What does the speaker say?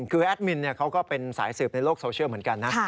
คือแอดมินเขาก็เป็นสายสืบในโลกโซเชียลเหมือนกันนะ